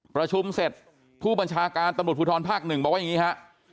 ประชุมเสร็จผู้บัญชาการตำรวจภูทรภาคหนึ่งบอกว่าอย่างนี้ฮะ